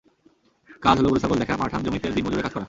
কাজ হলো গরু ছাগল দেখা, মাঠান জমিতে দিন মজুরের কাজ করা।